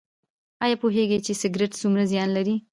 ایا پوهیږئ چې سګرټ څومره زیان لري؟